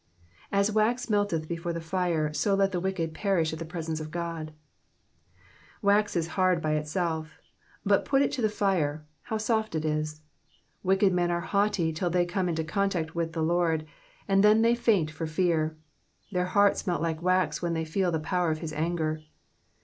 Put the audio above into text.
''''As wax mdteth before the Jirey ao let the wicked perish at the presence of God.^^ Wax is hard when by itself, but put it to the fire, how soft it is. Wicked men are haughty till they come into contact with the Lord, and then they faint for fear ; their hearts melt like wax when they feel the power of his anger.